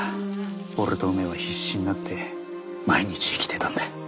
俺と梅は必死になって毎日生きてたんだ。